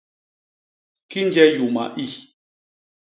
Kinje yuma i!